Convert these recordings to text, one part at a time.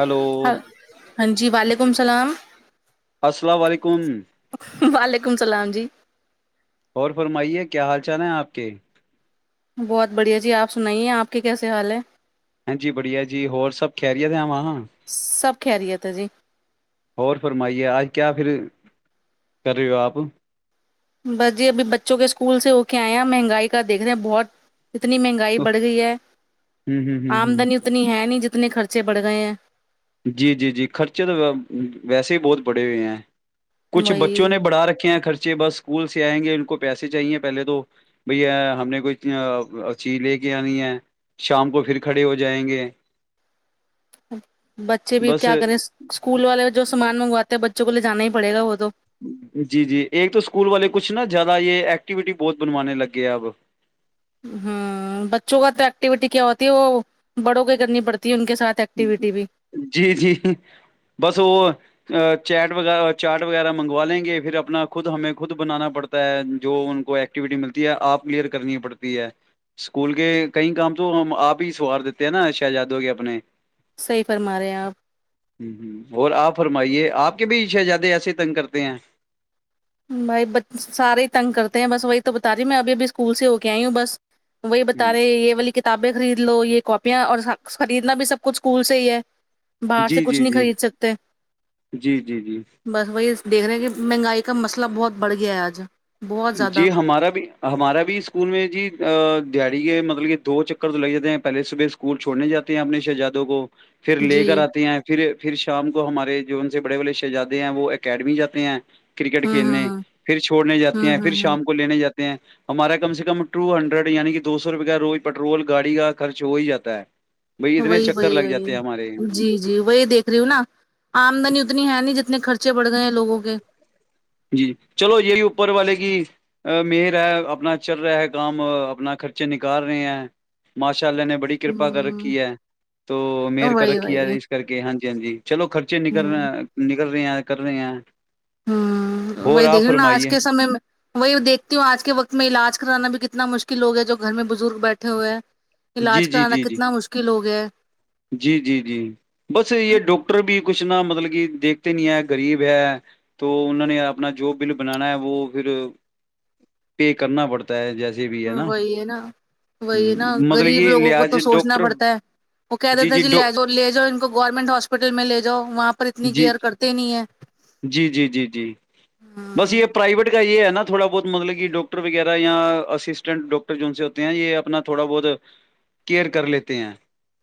hello ہاں ہاں جی وعلیکم السلام السلام علیکم وعلیکم السلام جی اور فرمائیے کیا حال چال ہیں آپ کے بہت بڑھیا جی آپ سنائیے آپ کے کیسے حال ہے ہاں جی بڑھیا جی ہو اور سب خیرییا د آوا ہاں سب خیریت ہے جی اور فرمائیے آج کیا پھر کر رہے ہو آپ بس جی ابھی بچوں کے اسکول سے ہو کے آئے ہیں مہنگائی کا دیکھ رہے ہیں بہت اتنی مہنگائی ہ بڑھ گئی ہے ہ آمدنی اتنی ہے نہیں جتنے خرچے بڑھ گئے ہیں جی جی جی خرچے تو ویسے ہی بہت بڑے ہوئے ہیں کچھ وہی بچوں نے بڑا رکھے ہیں خرچے بس اسکول سے آئیں گے ان کو پیسے چاہیے پہلے تو بھیا ہم نے کوئی چیز لے کے آنی ہے شام کو پھر کھڑے ہو جائیں گے بچے بھی بس کیا کریں اسکول والے جو سامان منگواتے ہیں بچوں کو لے جانا ہی پڑے گا وہ تو جی جی ایک تو اسکول والے کچھ نا زیادہ یہ ایکٹیویٹی بہت بنوانے لگ گے اب ہ بچوں کا تو ایکٹیویٹی کیا ہوتی ہے وہ بڑوں کی کرنی پڑتی ہے ان کے ساتھ ایکٹیوٹی بھی جی جی بس وہ چیٹ و چاٹ وغیرہ منگوا لیں گے پھر اپنا خود ہمیں خود بنانا پڑتا جو ان کو ایکٹیویٹی ملتی ہے آپ کلیئر کرنی پڑتی ہے اسکول کے کئی کام تو ہم آپ ہی سوار دیتے ہیں نا شہزادو کے اپنے صحیح فرما رہے ہیں آپ ہ ہ اور آپ فرمائیے آپ کے بھی شہزادے ایسے تنگ کرتے ہیں بھائی ب سارے ہی تنگ کرتے ہیں بس وہی تو بتا دییے میں ابھی ابھی اسکول سے ہو کے آئی ہوں بس وہی بتا ہوں، رہے ہیں یہ والی کتنی کتابیں خرید لو یہ کاپیاں اور خریدنا بھی سب کچھ اسکول سے ہی ہے باہر سے جی کچھ جی نہیں جی خرید سکتے جی جی جی بس وہی دیکھ رہے ہیں کہ مہنگائی کا مسئلہ بہت بڑھ گیا ہے آج بہت زیادہ جی ہمارا بھی ہمارا بھی اسکول میں جی داڑی کے مطلب یہ دو چکر تو لے جاتے ہیں پہلے صبح اسکول چھوڑنے جاتے ہیں اپنی شہزادوں کو پھر لے جی کر آتے ہیں پھر پھر شام کو ہمارے جو ان سے بڑے بڑے شہزادے ہیں وہ اکیڈمی جاتے ہیں کرکٹ ہوں کھیلنے ہوں پھر چھوڑنے جاتے ہوں ہیں پھر ہوں شام ہوں کو لینے جاتے ہیں ہمارا کم سے کم ٹو ہنڈریڈ یعنی کہ دو سو روپے کا روز پیٹرول گاڑی کا خرچ ہو ہی جاتا ہے بھائی اتنے وہی چکر وہی لگ جاتے ہیں ہمارے وہی جی جی وہی دیکھ رہی ہوں نا آمدنی اتنی ہے ن جتنے خرچے بڑھ گئے ہیں لوگوں کے جی چلو یہی اوپر والے کی ا مر ہے اپنا چل رہا ہے کام اپنا خرچے نکال رہے ہیں ماشاء اللہ نے بڑی کرپا کر رکھی ہے تو ہ مر کر وہی رکھی وہی ہے اس کر کے ہاں جی ہاں ج چلو خ بچے نکل ہ رہ نکل رہے ہیں کر رہے ہیں ہوں اور وہی آپ دیکھے نا آج فرمائیے کے سمے میں وہی دیکھتی ہوں آج کے وقت میں علاج کرانا بھی کتنا مشکل ہوگ ہے جو گھر میں بزرگ بیٹھے ہوئے ہیں علاج جی جی کرانا جی جی کتنا مشکل ہو گیا [unintelligible] جی جی جی بس یہ ڈاکٹر بھی کچھ نہا مطلب کہ دیکھتے نہیں ہے غریب ہے تو انوں نے اپنا جو بل بنانا ہے وہ پھر پے کرنا پڑتا ہے جیسے بھی [unintelligible] وہی ہے نا وہی ہے نا مطلب غریب کہ لوگوں کو لحاظ تو سوچنا ڈاکٹر پڑتا ہے وہ کہہ دیتے جی لے ج لے جؤ ان کو گورنمنٹ ہاسپٹل میں لے جاؤ وہاں پر اتنی جی کیئر کرتے نہیں ہے جی جی جی جی بس یہ ہے پرائیویٹ کا یہ ہے نا تھوڑا بہت مطلب کہ ڈاکٹ وغیرہ یا اسسٹینٹ ڈاکٹر سے ہوتے ہیں یہ اپنا تھوڑا بہت کیئر کر لیتے ہیں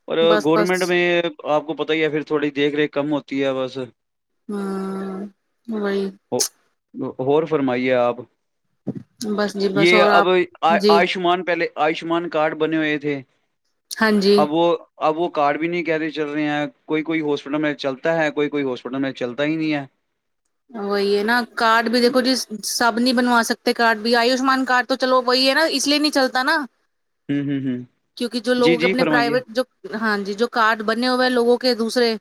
اور بس بس گورنمنٹ میں آپ کو پتہ ہی ہے پھر تھوڑی دیکھ ریکھ کم ہوتی ہے بس ہوں وہی [unintelligible] ہو فرمائیے آپ بس جی بس یہ اور اب آپ جی آیوشمان پہلے آیوشمان کارڈ بنے ہوئے تھے ہاں جی اب وہ اب وہ کارڈ بھی نہیں کہہ رہے چل رہے ہیں کوئی کوئی ہاسپٹل میں چلتا ہے کوئی کوئی ہاسپٹل میں چلتا ہی نہیں ہے وہی ہے نا کارڈ بھی دیکھو جی سب نہیں بنا سکتے کارڈ بھی آیوشمان کارڈ تو چلو وہی ہے نا اس لیے نہیں چلتا نا ہ ہ ہ کیونکہ جو جی لوگوں کے جی اپنے فرمائیے پرائیویٹ جو ہاں جی جو کارڈ بنے ہوئے لوگوں کے دوسرے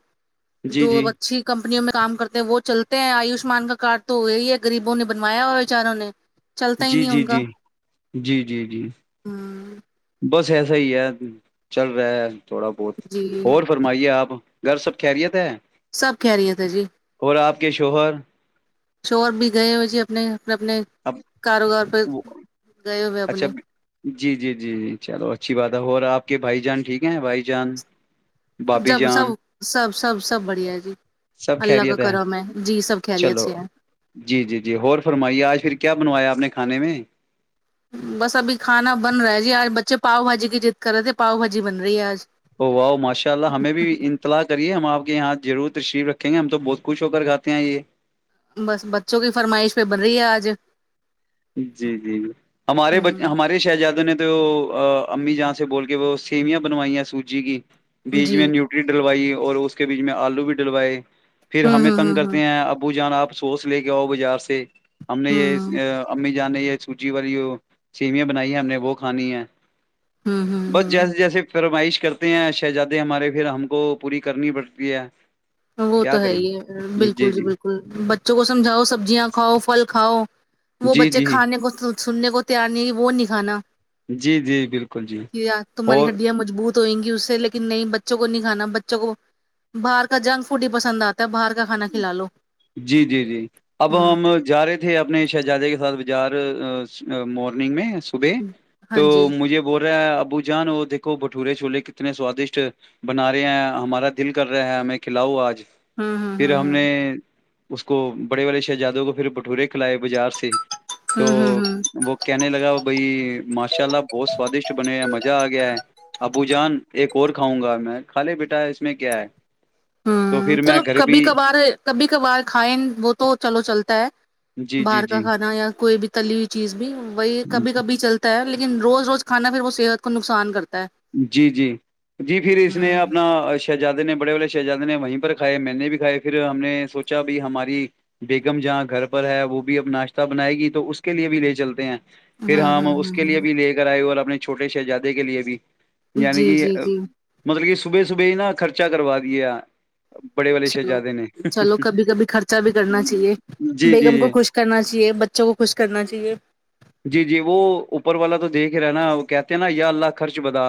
جی جو جی اچھی کمپنیوں میں کام کرتے ہیں وہ چلتے ہیں آیوشمان کا کارڈ تو وہی ہے غریبوں نے بنوایا ہو بیچاروں نے چلتا ہی جی نہیں جی ان کا جی جی جی جی ہ بس ایسا ہی ہے چل رہا ہے تھوڑا بہت جی اور فرمائیے آپ گھر سب خیریت ہے سب کہہ رہی ہے تھے جی اور آپ کے شوہر [unintelligible] شور بھی گئے مھے اپنے اپنے اپنے اب کاروبار پہ وہ- گئے ہوئے اچھا اپنے جی جی جی جی چلو اچھی بات ہے اور آپ کے بھائی جان ٹھیک ہیں بھائی جان بھابھی جب جان سب سب سب سب بڑھیا ہے جی سب اللہ کا خیریت کرم ہے جی سب کہہری چلو اچھے ہیں جی جی جی اور فرمائیے آج پھر کیا بنوایا آپ نے کھانے میں بس ابھی کھانا بن رہا ہے جی آج بچے پاؤ بھاجی کی جضد کرے تھے پاؤ بھاجی بن رہی ہے آج او واہؤ ماشاء اللہ ہمیں بھی ان اطلاع کریے ہم آپ کے یہاں ضرور تشریف رکھیں گے ہم تو بہت خوش ہو کر کھے ہیں یہ بس بچوں کی فرمائش پہ بڑھ رہی ہے آج جی جی جی ہ ہمارے ب ہمارے شہزادوں نے تو امی جہاں سے بول کے وہ سیویاں بنوائیا سوج جی کی بیچ جی میں نیوٹری ڈلوائی اور اس کے بیچ میں آلو بھی ڈلوائے پھر ہ ہمیں ہ تنگ ہ ہ کرتے ہیں ابو جانا آپ سوس لے کے آؤ بازار سے ہم نے یہ ہ جانے ہے سوجی والی سیویا بنائی ہے ہم نے وہ کھانی ہے ہ ہ بس جیسے ہ جیسے پرمائش کرتے ہیں شہزادے ہمارے پھر ہم کو پوری کرنی پڑتی ہے وہ کیا تو ہے کریں ہی بالکل جی بالکل بچوں کو سمجھاؤ سبزیاں کھاؤ پھل کھاؤ وہ جی بچے جی کھانے کو سننے کو تیار نہیں کہ وہ نہیں کھانا جی جی بالکل جی کہ یار تمہاری اور ہڈیاں مجبوت دوئیں گی اس سے لیکن نہیں بچوں کو نہیں کھانا بچوں کو باہر کا جنک فوڈ ہی پسند آتا ہے باہر کا کانا کھلا لو جی جی جی اب ہ ہم جا رہے تھ تھے اپنے شہزادے کے ساتھ بجار مارننگ میں ب ہاں تو جی مجھے بول رہا ہے ابو جان اور دیکھو بھٹورے چھوولے کتنے سوادشٹ بنا رہے ہیں ہمارا دل کر رہے ہے ہمیں کھلاؤ آج ہاں ہاں ہاں پھر ہم نے اس کو بڑے والڑے شہزادوں کو پھر بھٹورے کھلائے بازار سے تو ہ ہ ہ وہ کہنے لگا بائی ماشاء اللہ بہت سوادشٹ بنے ہے مزہ آ گیا ہے ابو جان ایک اور کھاؤں گا میں کھا لے بیٹا اس میں کیا ہے تو ہوں پھر میں چلو گھر بھی کبھی کبھار کبھی کبھار کھائیں وہ تو چلو چلتا ہے جی جی باہر کا جی کھانا یا کوئی بھی تلی ہوئی چیز بھی وہی کبھی کبھی چلتا ہے لیکن روز روز کھانا پھر وہ صحت کو نقصان کرتا ہے جی جی جی پھر اس نے ہاں اپنا شہزادے نے بڑے بڑے شہزادے نے وہیں پر کھائے میں نے بھی کھائے پھر ہم نے سوچا ب ہماری بیگم جہاں گھر پر ہے وہ بھی اب ناشتہ بنائے گی تو اس کے لیے بھی لے چلتے ہیں پھر ہاں ہماں ہاں اس ہاں کے لیے ہاں بھی لے گ آئے ہو اور اپنے چھوٹے شہزادے کے لیئے بھی یعنی جی کہ جی جی مطلب کہ صبح صبح ہی نا خرچا کروا دیے چلو چلو کبھی کبھی خرچہ بھی کرنا چاہیے جی جی بیگم جی کو خوش کرنا چاہیے بچوں کو خوش کرنا چاہیے جی جی وہ اوپر والا تو دیکھ رہا ہے نا وہ کہتے ہیں نا یا اللہ خرچ بدا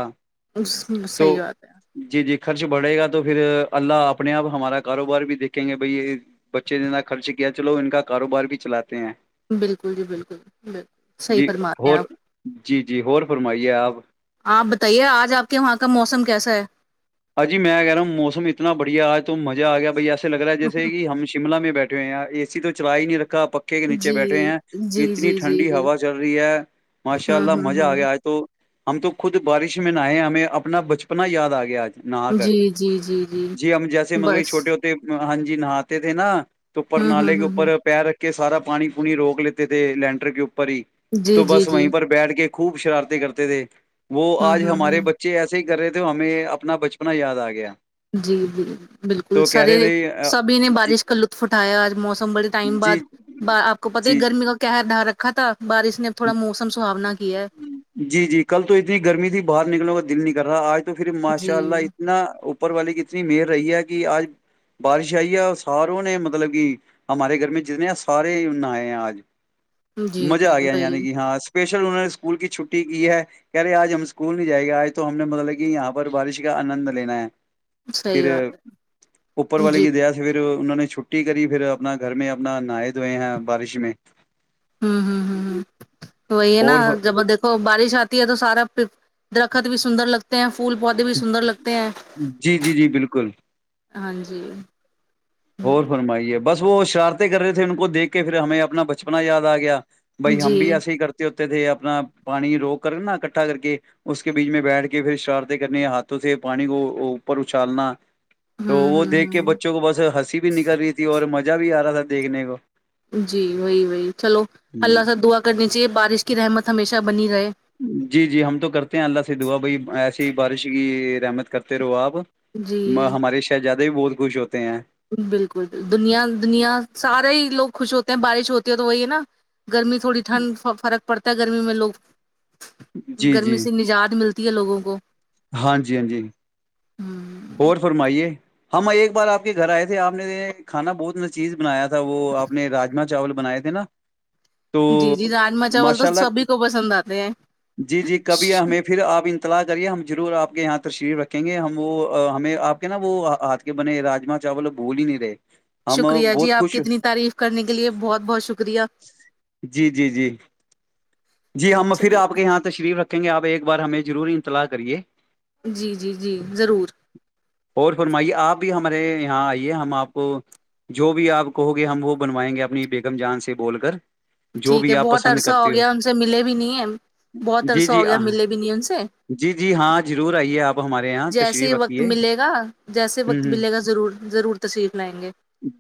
اس تو صحیح بات ہے جی جی خرچ بڑھے گا تو پھر اللہ اپنے آپ ہمارا کاروبار بھی دیکھیں گے بھائی یہ بچے نے جتنا خرچ کیا چلو ان کا کاروبار بھی چلاتے ہیں بالکل جی بالکل بالکل صحیح جی فرماتے ہو ہیں آپ جی جی ہو فرمائیے آپ آپ بتائیے آج آپ کے وہاں کا موسم کیسا ہے اجی میں کہہ رہا ہوں موسم ات بڑھیا آج تو مہ آ گیا بھائی ایسے لگ رہا جیسے کہ ہم شملہ میں بیٹھے ہوئے اے س تو چلا ہی نہیں رکھا پکا ے کے نیچے جی بیٹھے ہیں جی جی اتنی جی ٹھنڈی جی ہوا چل رہی ہے ماشاء ہوں اللہ مزہ ہوں آ ہوں گیا آج تو ہم تو خود بارش میں نہئے ہمیں اپنا بچپنا یاد آ گیا آج نہا کر جی جی جی جی ہم جیسے مطلب یہ بس چھوٹے ہوتے ہاں جی نہاتے تھے نا تو پر ہوں نالے ہوں کے ہوں ہوں اوپر پیر رکھ کہ سارا پانی پونی روک لیتے تھے لینڈر کے اوپر ہی جی تو جی بس جی وہیں پر بیٹھ کے خوب شرارتیں کرتے تھے وہ ہوں آج ہوں ہمارے ہوں بچے ایسے ہی کر رہے تھے ہمیں اپنا بچپنا یاد آ گیا جی جی بالکل تو کہہ سارے رہے تھے سبھی نے جی بارش کا لطف اٹھایا آج موسم بڑے ٹائم بعد جی با آپ کو پتہ ہے جی گرمی کا قہر ڈھا رکھا تھا بارش نے اب تھوڑا موسم سہاونا کیا ہے جی جی کل تو اتنی گرمی تھی باہر نکلنے کا دل نہیں کر رہا آج تو پھر جی ماشاء اللہ اتنا اپر والی کی اتنی مہر رہی ہے کہ آج بارش آئی ہے اور ساروں نے مطلب کہ ہمارے گھر میں جتنے سارے نہایے ہیں آج جی مزہ جی آ گیا یاں وہی ہاں اسپیشل انہوں نے اسکول کی چھٹی کی ہے کہہ رہے آج ہم اسکول نہیں جائے گے آج تو ہم نے مطلب کہ یہاں پر بارش کا آنند لینا ہے پھر صحیح بات اوپر ہے والے جی کی دیا سے پھر انہوں نے چھٹی کری پھر اپنا گھر میں اپنا نہایےدھوئے ہیں بارش میں ہوں ہ ہ ہ وہی ہے نا اور جب د [inaudible] تو بارش آتی ہے تو سارا درخت بھی سندر لگتا تے ہیں پھول پودے بھی سندر لگتے ہیں جی جی جی بالکل ہاں جی اور فرمائیے بس وہ شرارتیں کر رہے تھے ان کو دیکھ کے پھر ہمیں اپنا بچپنا یاد آ گیا بھائی ہم جی بھی ایسے ہی کرتے ہوتے تھے اپنا پانی روک کر نا کٹھا کر کے اس کے بیچ میں بیٹھ کے پھر شرارتیں کرنی ہاتھوں سے پانی کو اوپر اچھالنا تو ہوں وہ ہوں دیکھ کے ہوں بچوں کو بس ہنسی بھی نکل رہی تھی اور مزہ بھی آ رہا تھا دیکھنے کو جی وہی وہی چلو ہوں الله سے دعا کرنی چاہیے بارش کی رحمت ہمیشہ بنی رہے جی جی ہم تو کرتے ہیں الله سے دعا بھیی ایسی ہی بارش کی رحمت کرتے رہو آپ ماں جی ہمارے شہزادہ بھی بہت خوش ہوتے ہیں بالکل بالکل دنیا دنیا سارے ہی لوگ خوش ہوتے ہیں بارش ہوتی ہے تو وہی ہے نا گرمی تھوڑی ٹھنڈ فرق پڑتا ہے گرمی میں لوگ جی گرمی جی سے نجات ملتا تی ہے لوگوں کو ہاں جی ہاں جی اور فرمائیے ہم ایک بار آپ کے گھر آئے تھے آپ نے کھانا بہت نچیذ بنایا تھا وہ آپ نے راجما چاول بنائے تھے نا تو جی جی راجما چاول تو ماشاء اللہ سبھی کو پسند آتے ہیں جی جی کبھی ہمیں پھر آپ انطلاع کریے ہم ضرور آپ کے یہاں تشریف رکھیں گے ہم وہ ہمیں آپ کے نا وہ ہاتھ کے بنے راجما چاول بھول ہی نہیں رہے ہم شکریہ جی بہت آپ کی خوش اتنی تعریف کرنے کے لیے بہت بہت شکریہ جی جی جی جی ہم پھر چلیے آپ کے یہاں تشریف رکھیں گے آپ ایک بار ہمیں ضرور انطلاع کریے جی جی جی ضرور اور فرمائیے آپ بھی ہمارے یہاں آئیے ہم آپ کو جو بھی آپ کہو گے ہم وہ بنوائیں گے اپنی بیگم جان سے بول کر جو ٹھیک بھی ہے آپ بہت پسند عرصہ ہو کرتے گیا ان سے ملے بھی نہیں ہیں بہت جی عرصہ جی ہو گیا آ- ملے بھی نہیں ان سے جی جی ہاں ضرور آئیے آپ ہمارے یہاں جیسے تشریف ہی وقت رکھیے ملے گا جیسے ہ وقت ہ ملے گا ضرور ضرور تشریف لائیں گے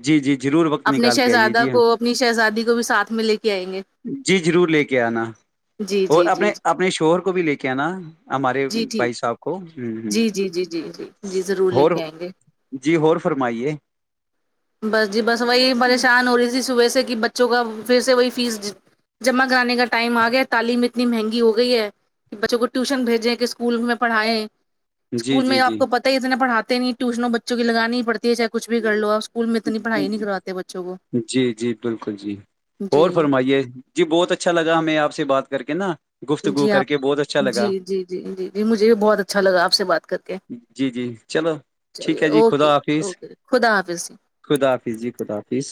جی جی ضرور وقت اپنے نکال کے آئیے شہزادہ جی ہاں کو اپنی شہزادی کو بھی ساتھ میں لے کے آئیں گے جی ضرور لے کے آنا جی اور جی اپنے جی اپنے شوہر کو بھی لے کے آنا ہمارے جی ٹھیک بھائی صاحب کو جی ہوں جی جی جی جی جی ضرور لے اور کے آئیں گے جی ہور فرمائیے بس جی بس وہی پریشان ہو رہی تھی صبح سے کہ بچوں کا پھر سے وہی فیس جمع کرانے کا ٹائم آ گیا تعلیم اتنی مہنگی ہو گئی ہے کہ بچوں کو ٹیوشن بھیجیں کہ اسکول میں پڑھائیں جی اسکول میں جی آپ جی کو پتا ہی اتنے پڑھاتے نہیں ٹیوشنوں بچوں کی لگانی ہی پڑتی ہے چاہے کچھ بھی لو آ جی جی جی بالکل جی جی اور فرمائیے جی بہت اچھا لگا ہمیں آپ سے بات کر کے نا گفتگو جی کر آپ کے بہت اچھا جی لگا جی جی جی جی مجھے بہت اچھا لگا آپ سے بات کر کے جی جی چلو ٹھیک چلیے ہے جی خدا اوکے حافظ اوکے خدا حافظ خدافظ جی خدافظ